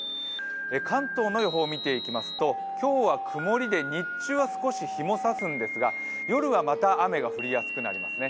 関東の予報を見ていきますと今日は曇りで日中は少し日も差すんですが夜はまた雨が降りやすくなりますね。